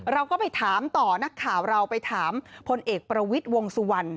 เราก็ไปถามต่อนักข่าวเราไปถามพลเอกประวิทย์วงสุวรรณ